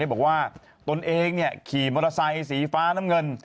บอกว่าตนเองขี่มอเตอร์ไซค์สีฟ้าน้ำเงิน